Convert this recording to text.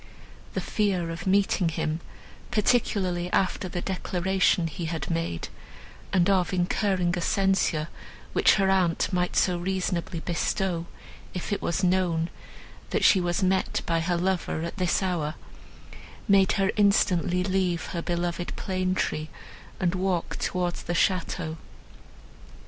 The fear of meeting him, particularly after the declaration he had made, and of incurring a censure, which her aunt might so reasonably bestow, if it was known, that she was met by her lover, at this hour, made her instantly leave her beloved plane tree, and walk towards the château.